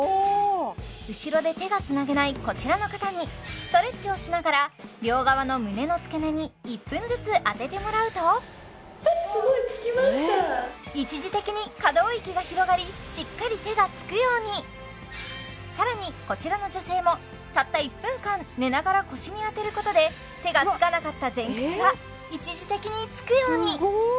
後ろで手がつなげないこちらの方にストレッチをしながら両側の胸の付け根に１分ずつ当ててもらうと一時的に可動域が広がりしっかり手がつくようにさらにこちらの女性もたった１分間寝ながら腰に当てることで手がつかなかった前屈が一時的につくように！